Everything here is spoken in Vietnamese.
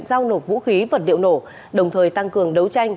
một vũ khí vật điệu nổ đồng thời tăng cường đấu tranh